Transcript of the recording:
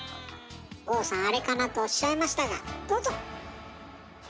郷さん「あれかな」とおっしゃいましたがどうぞ！